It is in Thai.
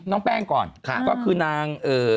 น้องแป้งก่อนก็คือนางเอ่อ